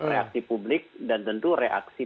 reaksi publik dan tentu reaksi